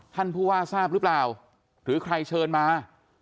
ท่านผู้ว่าทราบหรือเปล่าหรือใครเชิญมา